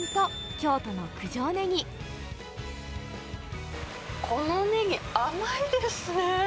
このネギ、甘いですね。